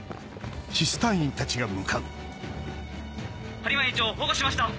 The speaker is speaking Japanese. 播磨院長を保護しました！